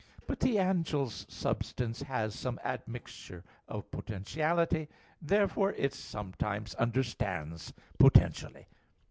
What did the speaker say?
But the angel's intelligence has some admixture of potentiality. Therefore it sometimes understands potentially.